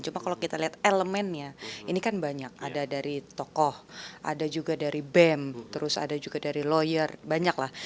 cuma kalau kita lihat elemennya ini kan banyak ada dari tokoh ada juga dari bem terus ada juga dari lawyer banyak lah